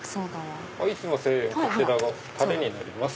こちらがタレになります。